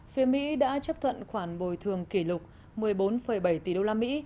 phía mỹ đã chấp thuận khoản bồi thường kỷ lục một mươi bốn bảy tỷ usd